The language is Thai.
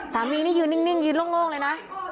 สามีนี่ยื้อนิ่งล่มเลยนะ